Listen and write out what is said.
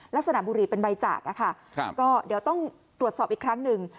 ลักษณะบุหรี่เป็นใบจากก็เดี๋ยวต้องตรวจสอบอีกครั้งหนึ่ง